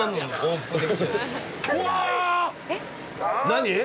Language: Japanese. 何？